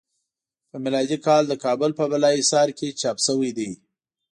په میلادی کال د کابل په بالا حصار کې چاپ شوی دی.